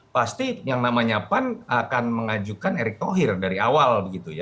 pasti yang namanya pan akan mengajukan erick thohir dari awal